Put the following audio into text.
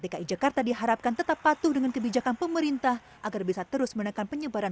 dki jakarta diharapkan tetap patuh dengan kebijakan pemerintah agar bisa terus menekan penyebaran